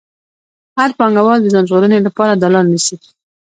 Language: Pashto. هر پانګوال د ځان ژغورنې لپاره دا لار نیسي